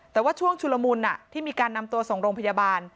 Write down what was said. แต่ว่าช่วงชุลมุนที่มีการนำตัวส่งโรงพยาบาล